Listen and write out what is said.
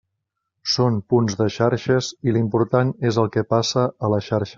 Són punts de xarxes i l'important és el que passa a la xarxa.